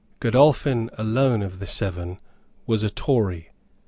Godolphin alone of the seven was a Tory.